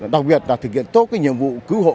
đặc biệt là thực hiện tốt cái nhiệm vụ cứu hộ